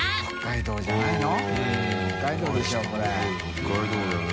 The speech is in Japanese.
北海道だよね